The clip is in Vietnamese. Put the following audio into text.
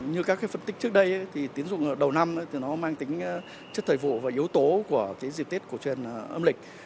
như các phân tích trước đây thì tín dụng đầu năm thì nó mang tính chất thời vụ và yếu tố của dịp tết cổ truyền âm lịch